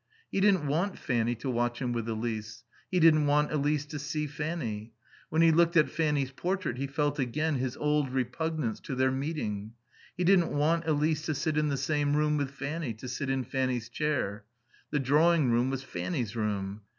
He didn't want Fanny to watch him with Elise. He didn't want Elise to see Fanny. When he looked at Fanny's portrait he felt again his old repugnance to their meeting. He didn't want Elise to sit in the same room with Fanny, to sit in Fanny's chair. The drawing room was Fanny's room.